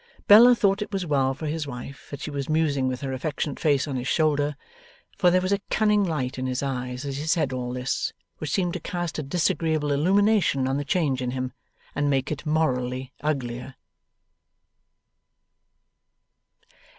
Bella thought it was well for his wife that she was musing with her affectionate face on his shoulder; for there was a cunning light in his eyes as he said all this, which seemed to cast a disagreeable illumination on the change in him, and make it morally uglier.